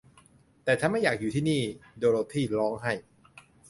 แต่ฉันไม่อยากอยู่ที่นี่ โดโรธีร้องไห้